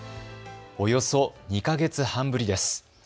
およそ２か月半ぶりです。